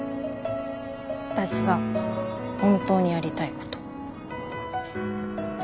私が本当にやりたい事。